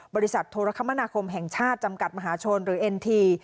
บริษัทโทรคมนาคมแห่งชาติจำกัดมหาชนหรือเอ็นที